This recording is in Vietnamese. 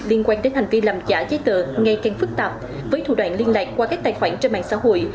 liên quan đến hành vi làm giả giấy tờ ngay càng phức tạp với thủ đoạn liên lạc qua các tài khoản trên mạng xã hội